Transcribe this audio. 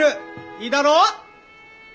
いいだろう？